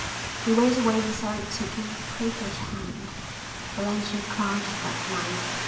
He went away without taking the proffered hand. Valentia cried that night.